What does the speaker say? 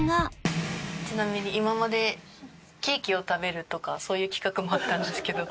ちなみに今までケーキを食べるとかそういう企画もあったんですけど。